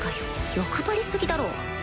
欲張り過ぎだろ